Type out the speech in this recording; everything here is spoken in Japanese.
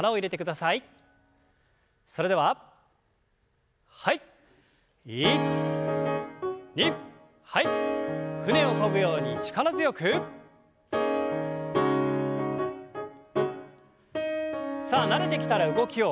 さあ慣れてきたら動きを大きく。